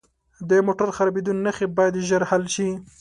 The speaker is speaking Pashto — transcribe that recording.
د موټر خرابیدو نښې باید ژر حل شي.